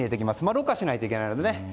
ろ過しないといけないので。